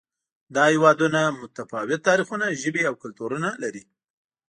دا هېوادونه متفاوت تاریخونه، ژبې او کلتورونه لري.